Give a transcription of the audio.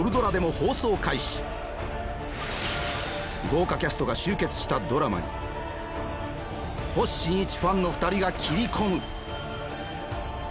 豪華キャストが集結したドラマに星新一ファンの２人が切り込む！